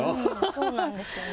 そうなんですよね。